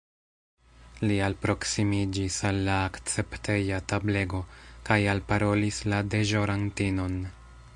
Li alproksimiĝis al la akcepteja tablego kaj alparolis la deĵorantinon.